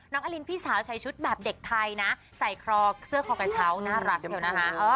อลินพี่สาวใส่ชุดแบบเด็กไทยนะใส่คลอเสื้อคอกระเช้าน่ารักเชียวนะคะ